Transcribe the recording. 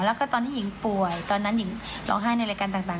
แล้วก็ตอนที่หญิงป่วยตอนนั้นหญิงร้องไห้ในรายการต่าง